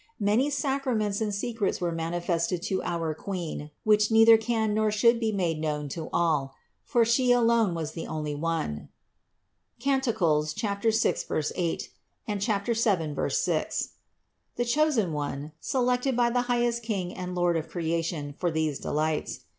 Many sacraments and secrets were manifested to our Queen, which neither can nor should be made known to all; for She alone was the only One (Cant. 6, 8; 7, 6), the chosen One, selected by the highest King and Lord of creation for these delights.